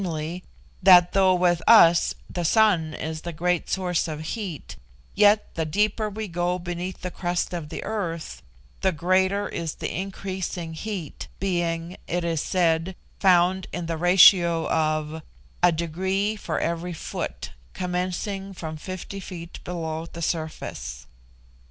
that though with us the sun is the great source of heat, yet the deeper we go beneath the crust of the earth, the greater is the increasing heat, being, it is said, found in the ratio of a degree for every foot, commencing from fifty feet below the surface.